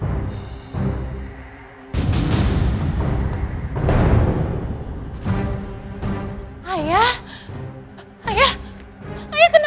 tanya dari dia